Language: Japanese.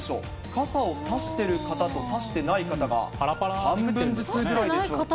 傘を差してる方と、差していない方が半分ずつぐらいでしょうか。